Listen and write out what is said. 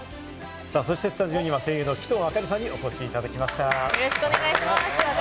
そしてスタジオには声優の鬼頭明里さんにお越しいただきました。